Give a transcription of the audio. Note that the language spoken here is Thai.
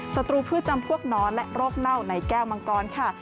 ศัตรูพืชจำพวกนอนและโรคเน่าในแก้วมังกรค่ะ